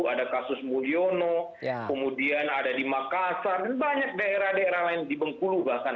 ada kasus mulyono kemudian ada di makassar di banyak daerah daerah lain di bengkulu bahkan